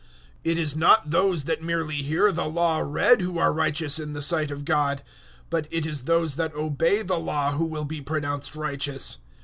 002:013 It is not those that merely hear the Law read who are righteous in the sight of God, but it is those that obey the Law who will be pronounced righteous.